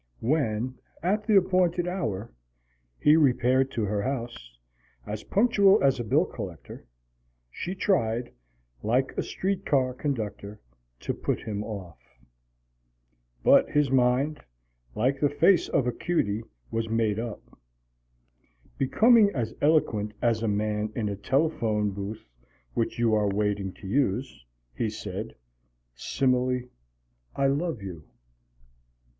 When, at the appointed hour, he repaired to her house, as punctual as a bill collector, she tried, like a street car conductor, to put him off. But his mind, like the face of a cutie, was made up. Becoming as eloquent as a man in a telephone booth which you are waiting to use, he said: "Simile, I love you!"